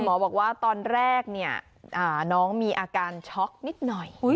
หมอบอกว่าตอนแรกเนี่ยน้องมีอาการช็อกนิดหน่อย